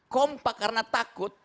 kompak karena takut